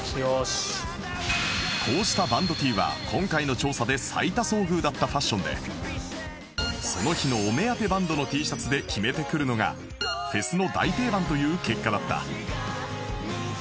こうしたバンド Ｔ は今回の調査で最多遭遇だったファッションでその日のお目当てバンドの Ｔ シャツで決めてくるのがフェスの大定番という結果だった